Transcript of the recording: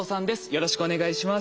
よろしくお願いします。